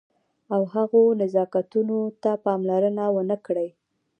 او هغو نزاکتونو ته پاملرنه ونه کړئ.